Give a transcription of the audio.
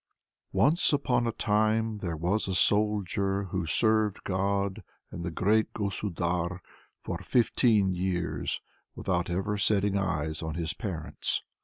Once upon a time there was a Soldier who served God and the great Gosudar for fifteen years, without ever setting eyes on his parents.